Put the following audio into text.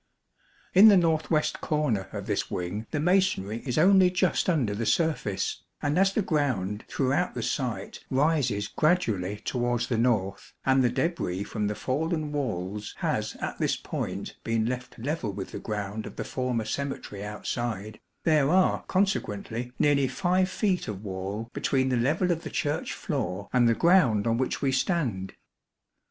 In the north west corner of this wing the masonry is only just under the surface, and as the ground throughout the site rises gradually towards the north, and the debris from the fallen walls has at this point been left level with the ground of the former cemetery outside, there are consequently nearly 5 feet of wall between the level of the Church floor and the ground on which we stand.